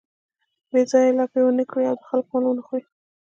بې ځایه لاپې و نه کړي او د خلکو مال و نه خوري.